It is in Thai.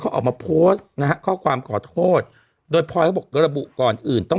เขาออกมาโพสต์นะฮะข้อความขอโทษโดยพลอยเขาบอกระบุก่อนอื่นต้อง